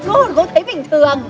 cô còn không thấy bình thường